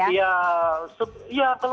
ya kalau menurut saya